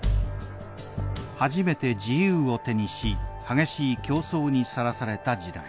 初めて自由を手にし激しい競争にさらされた時代。